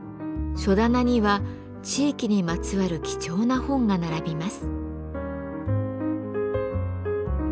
書棚には地域にまつわる貴重な本が並びます。